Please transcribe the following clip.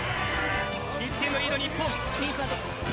１点のリード、日本。